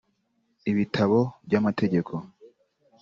ibitabo by’amategeko